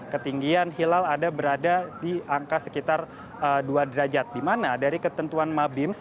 ketinggian hilal ada berada di angka sekitar dua derajat dimana dari ketentuan mabims